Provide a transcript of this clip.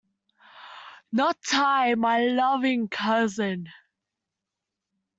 Not I, my loving cousin!